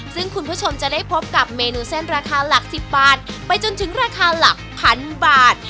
ซึ่งคุณผู้ชมจะได้พบกับเมนูเส้นราคาหลัก๑๐บาทไปจนถึงราคาหลักพันบาท